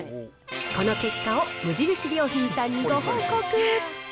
この結果を無印良品さんにご報告。